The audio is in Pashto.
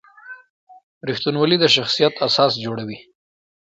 رښتینولي د شخصیت اساس جوړوي.